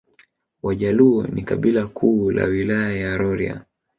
Wajaluo ni kabila kuu la Wilaya ya Rorya